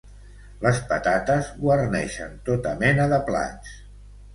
Les patates guarneixen tota mena de plats